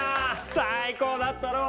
最高だったろう？